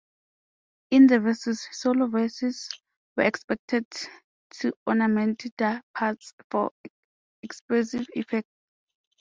In the 'verses', solo voices were expected to ornament their parts for expressive effect.